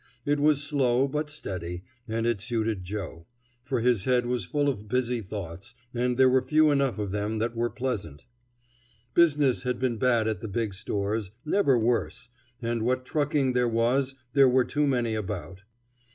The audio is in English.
It was slow, but steady, and it suited Joe; for his head was full of busy thoughts, and there were few enough of them that were pleasant. Business had been bad at the big stores, never worse, and what trucking there was there were too many about.